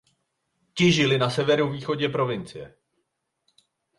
Ti žili na severovýchodě provincie.